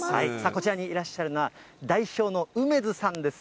こちらにいらっしゃるのは、代表の梅津さんです。